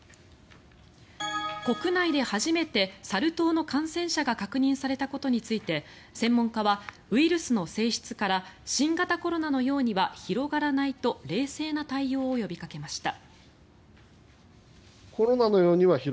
国内で初めてサル痘の感染者が確認されたことについて専門家はウイルスの性質から新型コロナのようには広がらないと冷静な対応を呼びかけました。